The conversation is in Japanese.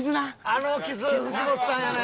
あの傷藤本さんやな。